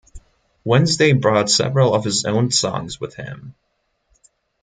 Wednesday brought several of his own songs with him.